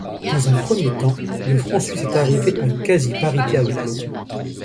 Dans un premier temps, le franc suisse est arrivé à une quasi-parité avec l'euro.